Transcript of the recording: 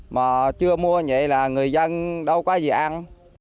mà chưa mua vậy là người dân đâu có về ăn